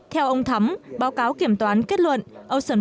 theo ông thắm báo cáo kiểm toán là một bài hỏi đúng